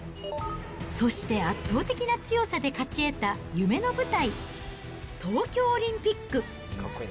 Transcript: そして圧倒的な強さで勝ち得た夢の舞台、東京オリンピック。